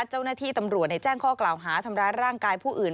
เจ้าหน้าที่ตำรวจในแจ้งข้อกล่าวหาทำร้ายร่างกายผู้อื่น